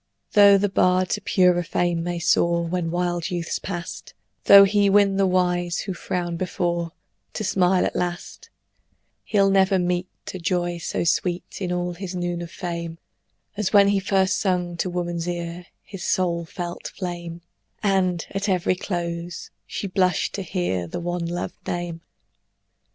Tho' the bard to purer fame may soar, When wild youth's past; Tho' he win the wise, who frowned before, To smile at last; He'll never meet A joy so sweet, In all his noon of fame, As when first he sung to woman's ear His soul felt flame, And, at every close, she blushed to hear The one lov'd name.